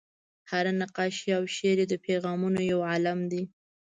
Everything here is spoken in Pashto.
هره نقاشي او شعر یې د پیغامونو یو عالم دی.